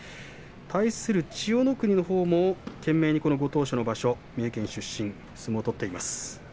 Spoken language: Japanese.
対する千代の国のほうも懸命にこのご当所の場所、三重県出身相撲を取っています。